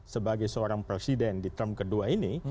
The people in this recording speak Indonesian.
sebagai seorang presiden di trump kedua ini